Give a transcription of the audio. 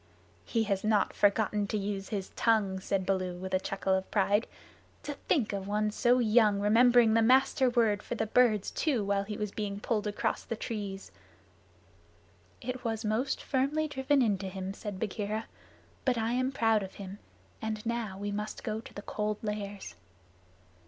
"He has not forgotten to use his tongue," said Baloo with a chuckle of pride. "To think of one so young remembering the Master Word for the birds too while he was being pulled across trees!" "It was most firmly driven into him," said Bagheera. "But I am proud of him, and now we must go to the Cold Lairs."